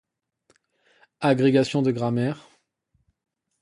Agrégation de grammaire.